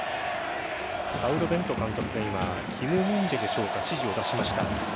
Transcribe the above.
パウロ・ベント監督が今キム・ミンジェでしょうか指示を出しました。